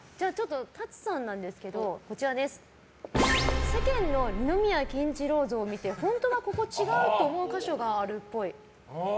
ＴＡＴＳＵさんなんですが世間の二宮金次郎像を見て本当はここ違うと思う箇所があるっぽい。